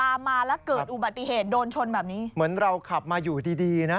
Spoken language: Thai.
มาแล้วเกิดอุบัติเหตุโดนชนแบบนี้เหมือนเราขับมาอยู่ดีดีนะ